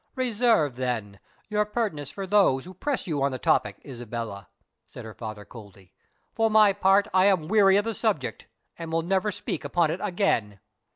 "Reserve, then, your pertness for those who press you on the topic, Isabella," said her father coldly; "for my part, I am weary of the subject, and will never speak upon it again."